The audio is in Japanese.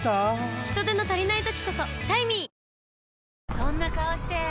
そんな顔して！